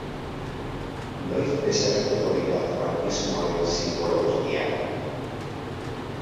Noiz desagertuko dira frankismoaren sinbolo guztiak?